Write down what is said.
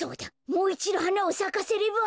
もういちど花をさかせれば。